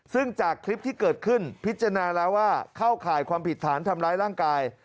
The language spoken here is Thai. ซึ่งจากคลิปที่เกิดขึ้นพิจารณาแล้วว่าเข้าข่ายความผิดฐานทำร้ายร่างกาย